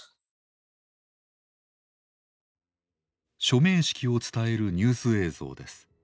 署名式を伝えるニュース映像です。